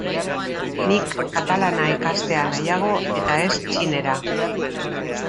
Nik katalana ikastea nahiago eta ez txinera.